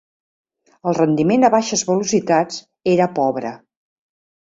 El rendiment a baixes velocitats era pobre.